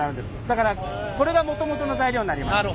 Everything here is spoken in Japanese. だからこれがもともとの材料になります。